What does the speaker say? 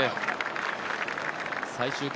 最終組